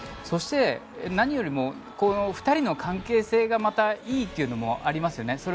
そして何よりも２人の関係性がまたいいというのもありますよね。